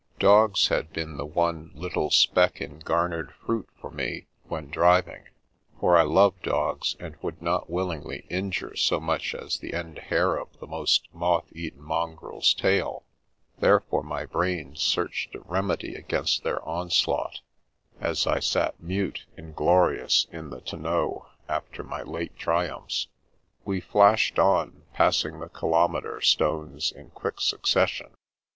Dogs had been the one " little speck in garnered fruit " for me when driving, for I love dogs and would not willingly injure so much as the end hair of the most moth eaten mongrel's tail; therefore my brain searched a remedy against their onslaught, as I sat mute, inglorious, in the tonneau, after my late triumphs. We flashed on, passing the kilometre stones in quick succession.